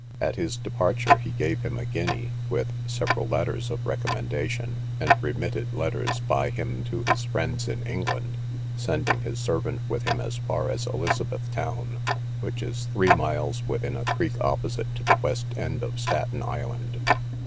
At his departure he gave him a guinea, with several letters of recommendation, and remitted letters by him to his friends in England, sending his servant with him as far as Elizabeth town, which is three miles within a creek opposite to the west end of Staten island.